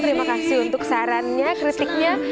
terima kasih untuk sarannya kritiknya